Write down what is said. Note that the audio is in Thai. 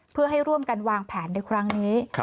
เพื่อให้ร่วมกันวางแผนในครั้งนี้